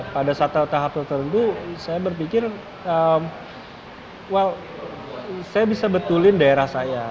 pada saat tahap tertentu saya berpikir well saya bisa betulin daerah saya